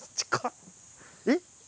えっ？